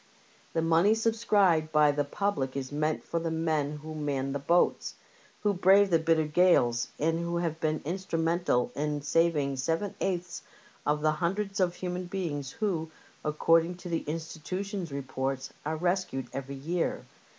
The money sub scribed by the public is meant for the men who man the boats, who brave the bitter gales, and who have been instrumental in saving seven eighths of the hundreds of human beings who, according to the Institution's reports, are rescued every year.